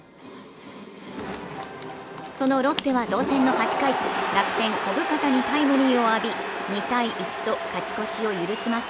そのロッテは同点の８回、楽天・小深田にタイムリーを浴び、２−１と勝ち越しを許します。